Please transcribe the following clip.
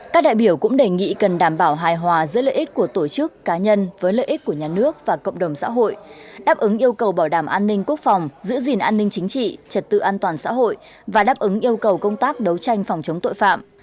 các đại biểu cũng đề nghị cần đảm bảo hài hòa giữa lợi ích của tổ chức cá nhân với lợi ích của nhà nước và cộng đồng xã hội đáp ứng yêu cầu bảo đảm an ninh quốc phòng giữ gìn an ninh chính trị trật tự an toàn xã hội và đáp ứng yêu cầu công tác đấu tranh phòng chống tội phạm